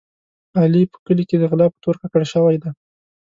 علي په کلي کې د غلا په تور ککړ شوی دی.